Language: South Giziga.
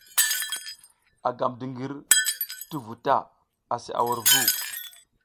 A gam dungur ti vu ta asi a wur vu.